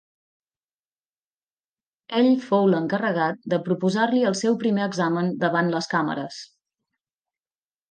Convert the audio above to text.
Ell fou l'encarregat de proposar-li el seu primer examen davant les càmeres.